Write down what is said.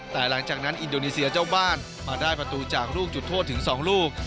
แต่หลังจากนั้นอินโดนีเซียเจ้าบ้านมาได้ประตูจากลูกจุดโทษถึง๒ลูก